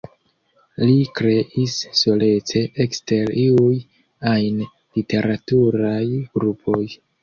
Li kreis solece ekster iuj ajn literaturaj grupoj.